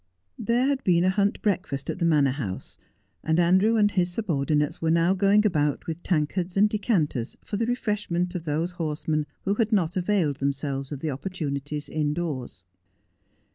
There had been a hunt breakfast at the Manor House, and Andrew and his subor dinates were now going about with tankards and decanters for the refreshment of those horsemen who had not availed themselves of the opportunities indoors.